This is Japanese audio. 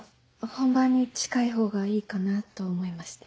本番に近い方がいいかなと思いまして。